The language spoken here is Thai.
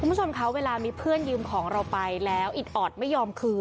คุณผู้ชมคะเวลามีเพื่อนยืมของเราไปแล้วอิดออดไม่ยอมคืน